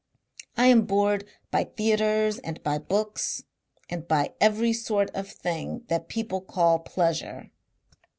I am bored by theatres and by books and by every sort of thing that people call pleasure.